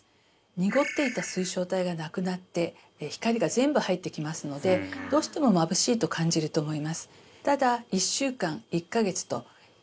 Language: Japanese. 濁っていた水晶体がなくなって光が全部入ってきますのでどうしてもまぶしいと感じると思います